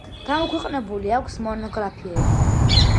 გამოქვეყნებული აქვს მონოგრაფიები.